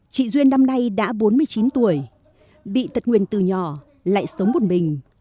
chị duyên năm nay đã bốn mươi chín tuổi bị tật nguyền từ nhỏ lại sống một mình